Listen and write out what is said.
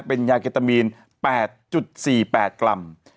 เป็นยาเคตามีน๘๔๘กรัม